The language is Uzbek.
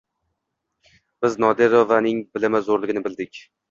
Biz Nodirovaning bilimi zoʻrligini bildik.